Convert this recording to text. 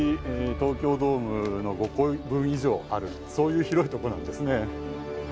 東京ドームの５個分以上あるそういう広いとこなんですね。